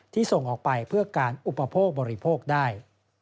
ส่งออกไปเพื่อการอุปโภคบริโภคได้